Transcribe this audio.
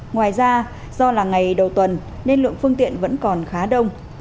ngoài ra do là ngày đầu tuần nên lượng phương tiện vẫn còn khá đông